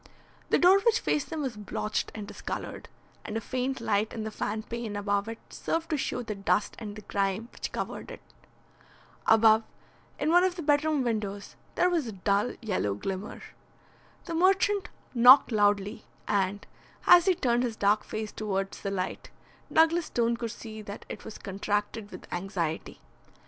The door which faced them was blotched and discoloured, and a faint light in the fan pane above it served to show the dust and the grime which covered it. Above, in one of the bedroom windows, there was a dull yellow glimmer. The merchant knocked loudly, and, as he turned his dark face towards the light, Douglas Stone could see that it was contracted with anxiety.